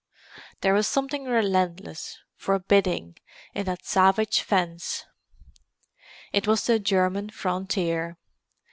There was something relentless, forbidding, in that savage fence. It was the German frontier.